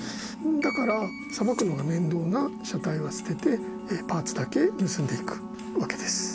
だからさばくのが面倒な車体は捨ててパーツだけ盗んでいくわけです。